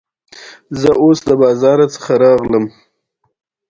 د احمد باسکل کونګري غلي کړي دي.